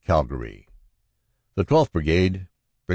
Calgary. The 12th. Brigade, Brig.